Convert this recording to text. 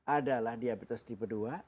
adalah diabetes tipe dua